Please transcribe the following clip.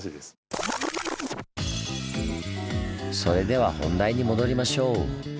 それでは本題に戻りましょう。